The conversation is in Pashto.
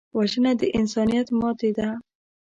وژنه د انسانیت ماتې ده